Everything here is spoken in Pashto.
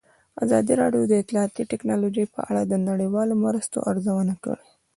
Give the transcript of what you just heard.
ازادي راډیو د اطلاعاتی تکنالوژي په اړه د نړیوالو مرستو ارزونه کړې.